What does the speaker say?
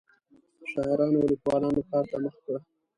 شاعرانو او لیکوالانو ښار ته مخه کړه.